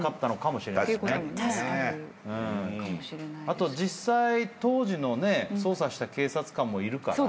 あと実際当時の捜査した警察官もいるから。